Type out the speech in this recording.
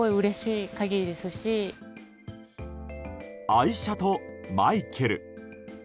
愛車とマイケル。